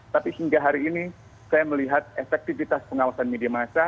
tapi hingga hari ini saya melihat efektivitas pengawasan media massa